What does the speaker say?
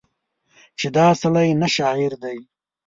چې دا سړی نه شاعر دی